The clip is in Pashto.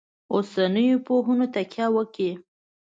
اوسنیو پوهنو تکیه وکوي.